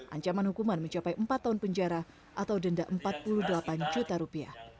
ancaman hukuman mencapai empat tahun penjara atau denda empat puluh delapan juta rupiah